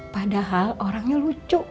padahal orangnya lucu